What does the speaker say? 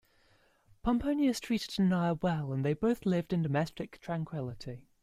Pomponius treated Annia well and they both lived in domestic tranquility.